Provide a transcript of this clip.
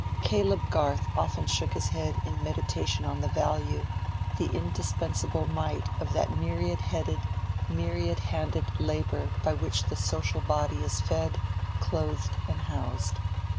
Caleb Garth often shook his head in meditation on the value, the indispensable might of that myriad headed, myriad handed labor by which the social body is fed, clothed, and housed.